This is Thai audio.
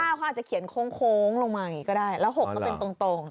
เขาอาจจะเขียนโค้งลงมาอย่างนี้ก็ได้แล้ว๖ก็เป็นตรง